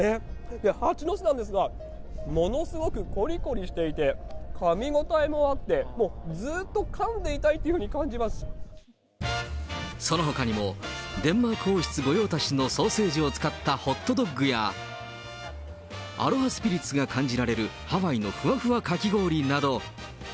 いや、ハチノスなんですが、ものすごくこりこりしていて、かみ応えもあって、もうずーっとかんでいたいというふうに感じまそのほかにも、デンマーク王室御用達のソーセージを使ったホットドッグやアロハスピリッツが感じられるハワイのふわふわかき氷など。